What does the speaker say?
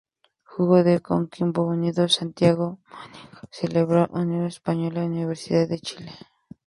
Jugó en Coquimbo Unido, Santiago Morning, Cobresal, Unión Española y Universidad de Chile.